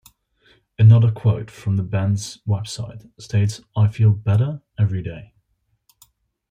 Another quote from the band's website states I feel better every day.